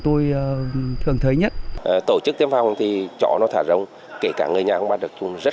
tôi thường thấy nhất tổ chức tiêm phòng thì chó nó thả rồng kể cả người nhà cũng bắt được rất